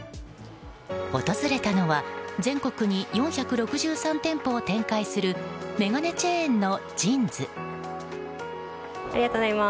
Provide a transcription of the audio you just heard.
訪れたのは全国に４６３店舗を展開する眼鏡チェーンのＪＩＮＳ。